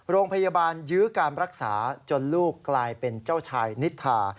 โรงพยาบาลยื้อการรักษาจนลูกกลายเป็นเจ้าชายนิทา